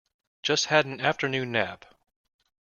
Just had an afternoon nap.